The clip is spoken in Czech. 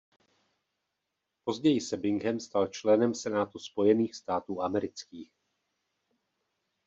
Později se Bingham stal členem Senátu Spojených států amerických.